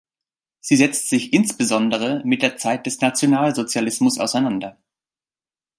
Sie setzt sich insbesondere mit der Zeit des Nationalsozialismus auseinander.